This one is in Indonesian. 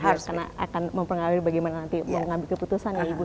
karena akan mempengaruhi bagaimana nanti mengambil keputusan